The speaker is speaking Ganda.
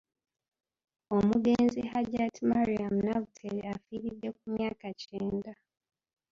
Omugenzi Hajjat Mariam Namutebi afiiridde ku myaka kyenda.